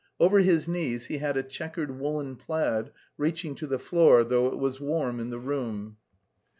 Over his knees he had a checkered woollen plaid reaching to the floor, though it was warm in the room.